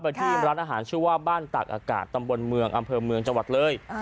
ที่ร้านอาหารชื่อว่าบ้านตากอากาศตำบลเมืองอำเภอเมืองจังหวัดเลย